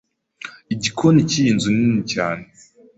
Igikoni cyiyi nzu nini cyane.